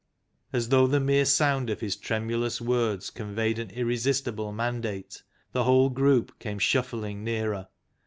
As though the mere sound of his tremulous words conveyed an irresistible man date, the whole group came shuffling nearer.